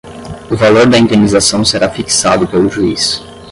O valor da indenização será fixado pelo juiz